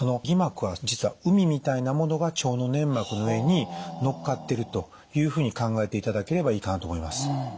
偽膜は実はうみみたいなものが腸の粘膜の上に乗っかってるというふうに考えていただければいいかなと思います。